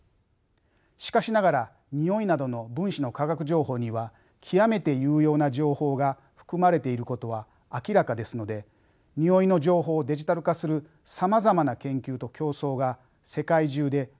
しかしながらにおいなどの分子の化学情報には極めて有用な情報が含まれていることは明らかですのでにおいの情報をデジタル化するさまざまな研究と競争が世界中で行われています。